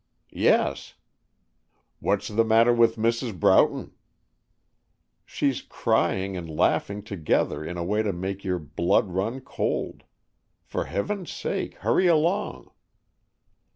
"Yes." "What's the matter with Mrs. Broughton?" "She's crying and laughing together in a way to make your blood run cold. For heaven's sake, hurry along."